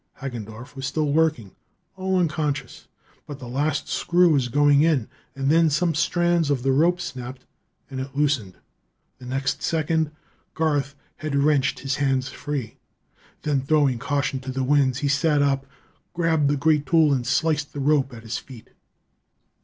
Hagendorff was still working, all unconscious but the last screw was going in. And then some strands of the rope snapped, and it loosened. The next second, Garth had wrenched his hands free. Then, throwing caution to the winds, he sat up, grabbed the great tool and sliced the rope at his feet.